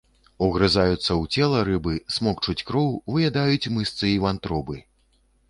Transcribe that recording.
Угрызаюцца ў цела рыбы, смокчуць кроў, выядаюць мышцы і вантробы.